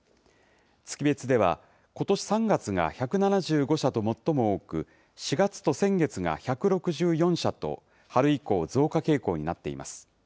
月別では、ことし３月が１７５社と最も多く、４月と先月が１６４社と、春以降増加傾向になっています。